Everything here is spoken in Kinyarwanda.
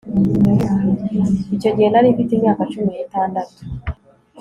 icyo gihe nari mfite imyaka cumi n'itandatu